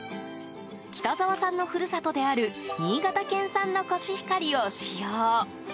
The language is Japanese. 北澤さんの故郷である新潟県産のコシヒカリを使用。